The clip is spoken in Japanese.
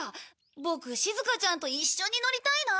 ボクしずかちゃんと一緒に乗りたいな。